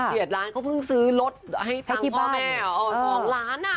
เกลียดล้านเขาเพิ่งซื้อรถให้ตังค์พ่อแม่๒ล้าน